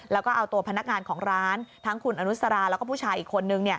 แล้วก็เอาตัวพนักงานของร้านทั้งคุณอนุสราแล้วก็ผู้ชายอีกคนนึง